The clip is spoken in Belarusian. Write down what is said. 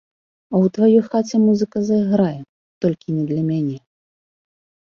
А ў тваёй хаце музыка зайграе, толькі не для мяне.